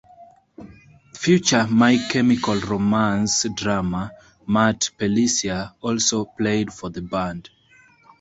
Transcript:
Future My Chemical Romance drummer Matt Pelissier also played for the band.